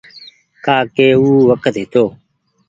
ڪآ ڪي او وکت هيتو۔